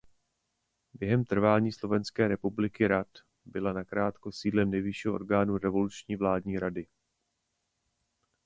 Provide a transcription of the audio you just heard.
Během trvání Slovenské republiky rad byla nakrátko sídlem nejvyššího orgánu Revoluční vládní rady.